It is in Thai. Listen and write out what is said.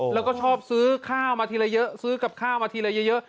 แล้วก็ชอบซื้อข้าวมาทีละเยอะซื้อกับข้าวมาทีละเยอะ